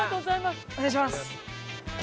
お願いします。